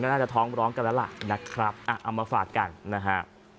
น่าจะท้องร้องกันแล้วล่ะนะครับเอามาฝากกันนะฮะ